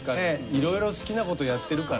いろいろ好きなことやってるから。